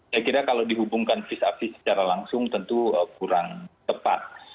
saya kira kalau dihubungkan vis ac secara langsung tentu kurang tepat